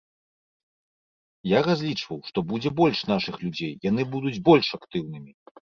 Я разлічваў, што будзе больш нашых людзей, яны будуць больш актыўнымі.